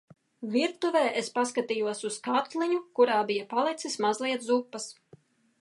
Virtuvē es paskatījos uz katliņu, kurā bija palicis mazliet zupas.